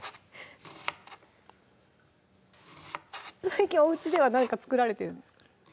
最近おうちでは何か作られてるんですか？